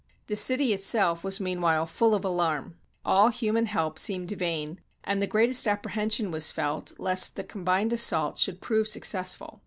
The city itself was meanwhile full of alarm. All hu man help seemed vain, and the greatest apprehension was felt lest the combined assault should prove success ful.